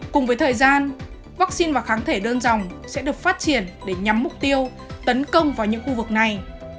cùng với thời gian vaccine và kháng thể đơn dòng sẽ được phát triển để nhắm mục tiêu tấn công vào những khu vực này